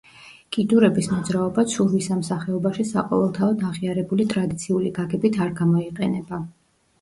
კიდურების მოძრაობა ცურვის ამ სახეობაში საყოველთაოდ აღიარებული ტრადიციული გაგებით არ გამოიყენება.